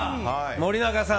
森永さん。